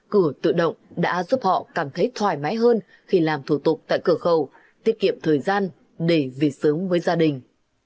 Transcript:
cửa tự động đã giúp họ cảm thấy thoải mái hơn khi làm thủ tục tại cửa khẩu tiết kiệm thời gian để về sớm với gia đình